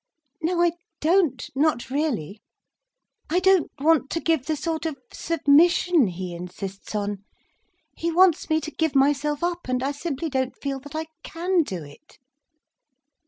"No—I don't—not really. I don't want to give the sort of submission he insists on. He wants me to give myself up—and I simply don't feel that I can do it."